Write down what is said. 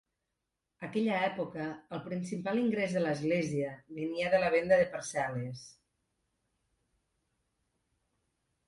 Aquella època, el principal ingrés de l'església venia de la venda de parcel·les.